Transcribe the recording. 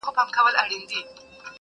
که زه مړ سوم لېري یو نسي زما مړی,